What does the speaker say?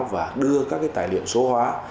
và đưa các tài liệu số hóa